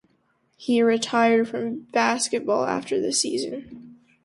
He retired from basketball after the season.